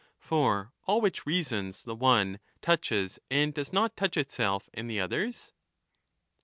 For all which reasons the one touches and does not touch itself and the others